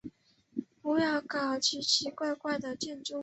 不要搞奇奇怪怪的建筑。